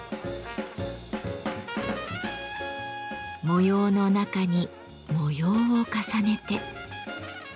模様の中に模様を重ねて。